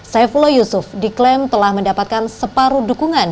saifullah yusuf diklaim telah mendapatkan separuh dukungan